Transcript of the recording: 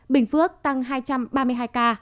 bình phước tăng hai trăm ba mươi hai ca